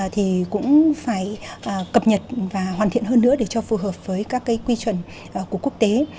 thì cũng phải cập nhật và hoàn thiện hơn nữa để cho phù hợp với các cái quy chuẩn của quốc tế